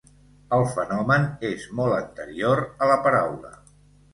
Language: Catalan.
El fenomen és molt anterior a la paraula.